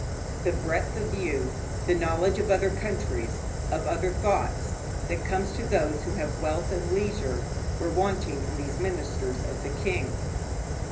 The breadth of view, the knowledge of other countries, of other thoughts, that comes to those who have wealth and leisure, were wanting to these ministers of the king.